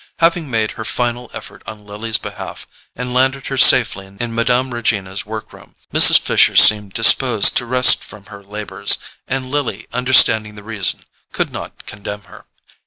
Having made her final effort on Lily's behalf, and landed her safely in Mme. Regina's work room, Mrs. Fisher seemed disposed to rest from her labours; and Lily, understanding the reason, could not condemn her.